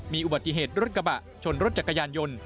มีอุบัติเหตุรถกระบะชนรถจักรยานยนต์